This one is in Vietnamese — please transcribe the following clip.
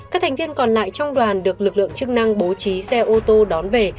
các thành viên còn lại trong đoàn được lực lượng chức năng bố trí xe ô tô đón về